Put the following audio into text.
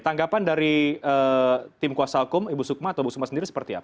tanggapan dari tim kuasa hukum ibu sukma atau ibu suma sendiri seperti apa